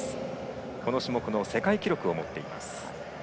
この種目の世界記録を持っています。